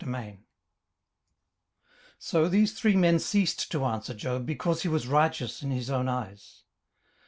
18:032:001 So these three men ceased to answer Job, because he was righteous in his own eyes.